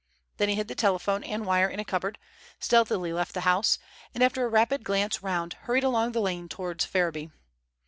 Then he hid the telephone and wire in a cupboard, stealthily left the house, and after a rapid glance round hurried along the lane towards Ferriby.